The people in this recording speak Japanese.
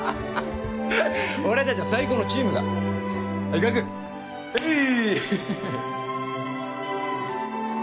俺達は最高のチームだはいガクはい！